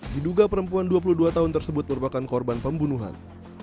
diduga perempuan dua puluh dua tahun tersebut merupakan korban pembunuhan